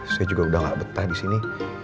saya juga udah gak betah disini